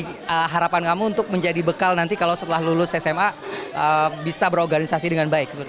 jadi harapan kamu untuk menjadi bekal nanti kalau setelah lulus sma bisa berorganisasi dengan baik